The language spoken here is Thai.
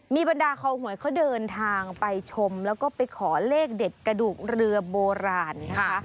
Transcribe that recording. มีบรรดาคอหวยเขาเดินทางไปชมแล้วก็ไปขอเลขเด็ดกระดูกเรือโบราณนะคะ